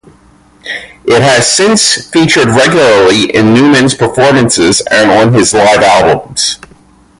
It has since featured regularly in Numan's performances and on his live albums.